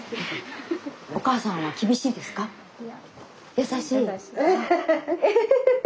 優しい？